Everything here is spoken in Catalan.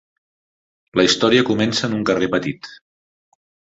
La història comença en un carrer petit.